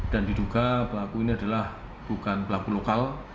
dan diduga pelaku ini adalah bukan pelaku lokal